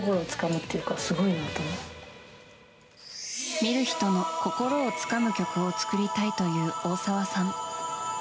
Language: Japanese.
見る人の心をつかむ曲を作りたいという大沢さん。